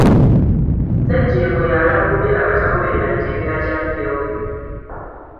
Ssejjengo yaalabudde abatagoberera mitendera gya BLB.